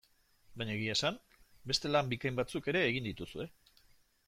Baina egia esan, beste lan bikain batzuk ere egin dituzue.